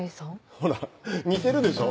ほら似てるでしょ？